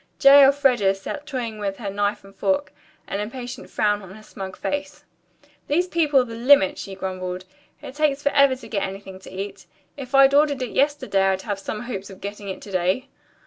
J. Elfreda sat toying with her knife and fork, an impatient frown on her smug face. "These people are the limit," she grumbled. "It takes forever to get anything to eat. If I'd ordered it yesterday, I'd have some hopes of getting it to day."